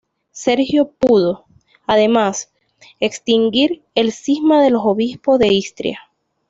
Sergio pudo, además, extinguir el cisma de los obispos de Istria.